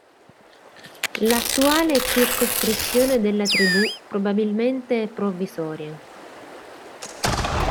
L'attuale circoscrizione della tribù probabilmente è provvisoria.